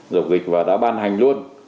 dục dịch và đã ban hành luôn